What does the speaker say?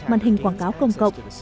màn hình quảng cáo công cộng